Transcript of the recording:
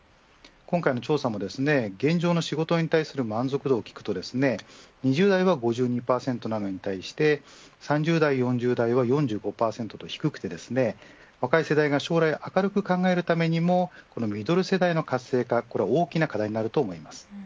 今回の調査も現状の仕事に対する満足度を聞くと２０代は５２％なのに対し３０代、４０代は４５％と低くて若い世代が将来明るく考えるためにもミドル世代の活性化が大きな課題になると思います。